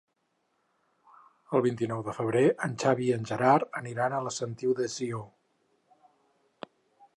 El vint-i-nou de febrer en Xavi i en Gerard aniran a la Sentiu de Sió.